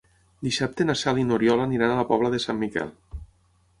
Dissabte na Cel i n'Oriol aniran a la Pobla de Sant Miquel.